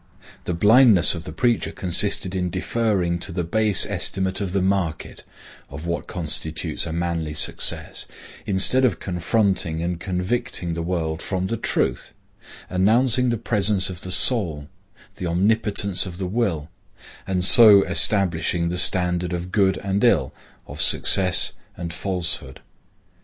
The blindness of the preacher consisted in deferring to the base estimate of the market of what constitutes a manly success, instead of confronting and convicting the world from the truth; announcing the presence of the soul; the omnipotence of the will; and so establishing the standard of good and ill, of success and falsehood.